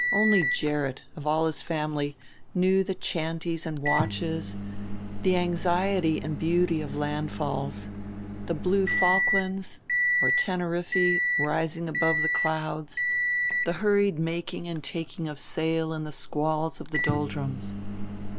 Only Gerrit, of all his family, knew the chanteys and watches, the anxiety and beauty of landfalls the blue Falklands or Teneriffe rising above the clouds, the hurried making and taking of sail in the squalls of the Doldrums.